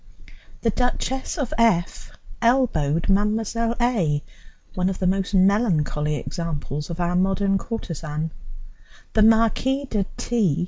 The Duchess of F. elbowed Mlle. A., one of the most melancholy examples of our modern courtesan; the Marquis de T.